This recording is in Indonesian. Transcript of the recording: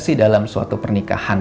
sebenarnya kalau kita buat pernikahan